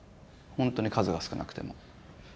ほんとに数が少なくても。